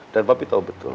dan papi tau betul